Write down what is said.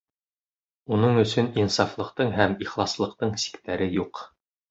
Уның өсөн инсафлыҡтың һәм ихласлыҡтың сиктәре юҡ.